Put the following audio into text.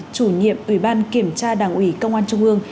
chủ nhiệm ủy ban kiểm tra đảng ủy công an trung ương